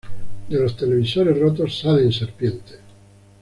De los televisores rotos salen serpientes.